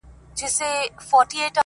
مکتب د میني محبت ومه زه-